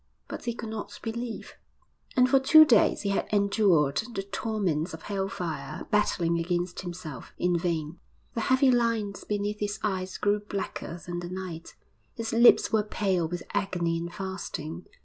But he could not believe. III And for two days he had endured the torments of hell fire, battling against himself in vain. The heavy lines beneath his eyes grew blacker than the night, his lips were pale with agony and fasting.